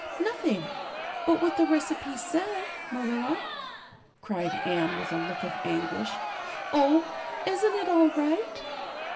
"Nothing but what the recipe said, Marilla," cried Anne with a look of anguish. "Oh, isn't it all right?"